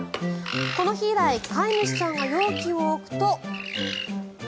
この日以来飼い主さんが容器を置くと。